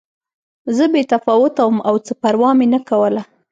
زه بې تفاوته وم او څه پروا مې نه کوله